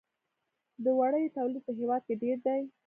د وړیو تولید په هیواد کې ډیر دی